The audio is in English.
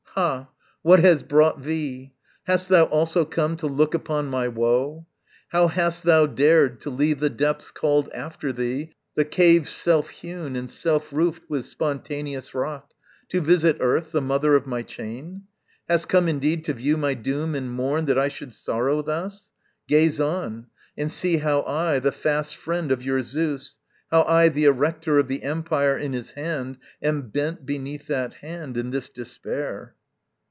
_ Ha! what has brought thee? Hast thou also come To look upon my woe? How hast thou dared To leave the depths called after thee, the caves Self hewn and self roofed with spontaneous rock, To visit earth, the mother of my chain? Hast come indeed to view my doom and mourn That I should sorrow thus? Gaze on, and see How I, the fast friend of your Zeus, how I The erector of the empire in his hand, Am bent beneath that hand, in this despair.